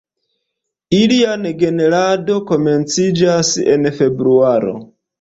Ilian generado komenciĝas en februaro.